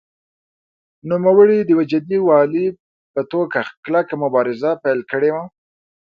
نوموړي د یو جدي والي په توګه کلکه مبارزه پیل کړې وه.